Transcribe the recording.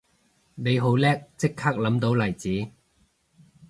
你好叻即刻諗到例子